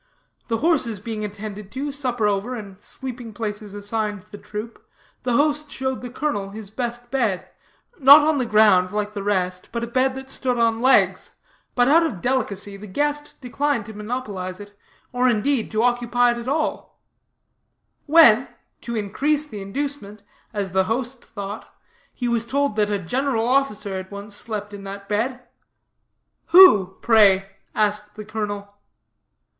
The horses being attended to, supper over, and sleeping places assigned the troop, the host showed the colonel his best bed, not on the ground like the rest, but a bed that stood on legs. But out of delicacy, the guest declined to monopolize it, or, indeed, to occupy it at all; when, to increase the inducement, as the host thought, he was told that a general officer had once slept in that bed. "Who, pray?" asked the colonel.